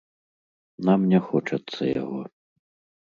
Нам не хочацца яго.